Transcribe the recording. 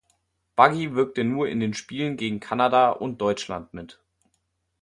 Buggy wirkte nur in den Spielen gegen Kanada und Deutschland mit.